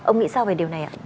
ông nghĩ sao về điều này ạ